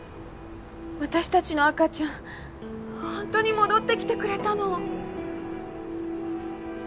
私たちの赤ちゃんほんとに戻ってきてくれたの。